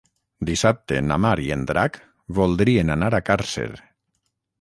Dissabte na Mar i en Drac voldrien anar a Càrcer.